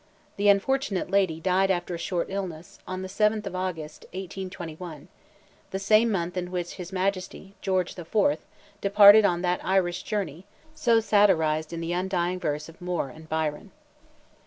The unfortunate lady died after a short illness, on the 7th of August, 1821; the same month in which Ms Majesty—George IV.—departed on that Irish journey, so satirized in the undying verse of Moore and Byron.